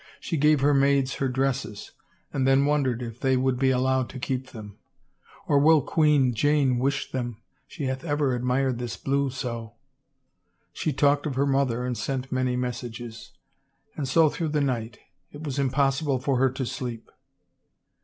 She gave her maids her dresses, and then wondered if they would be allowed to keep them —" Or will Queen Jane wish them — she hath ever admired this blue so !*' She talked of her mother and sent many messages. And so through the night. It was impossible for her to sleep.